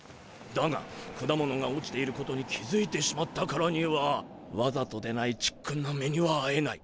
だが果物が落ちていることに気づいてしまったからにはわざとでないちっくんな目にはあえない。